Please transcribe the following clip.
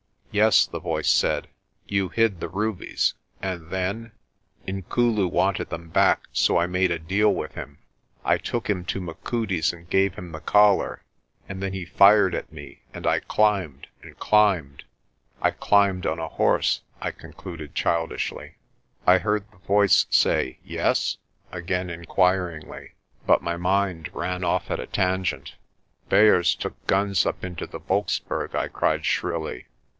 "Yes," the voice said, "you hid the rubies and then?' "Inkulu wanted them back, so I made a deal with him. I took him to Machudi's and gave him the collar, and then he fired at me and I climbed and climbed ... I climbed on a horse," I concluded childishly. 218 PRESTER JOHN I heard the voice say "Yes?' 1 again inquiringly, but my mind ran off at a tangent. "Beyers took guns up into the Wolkberg," I cried shrilly.